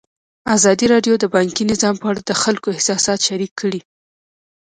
ازادي راډیو د بانکي نظام په اړه د خلکو احساسات شریک کړي.